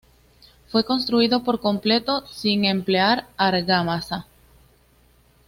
Fue construido por completo sin emplear argamasa.